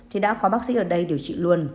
thì đã có bác sĩ ở đây điều trị luôn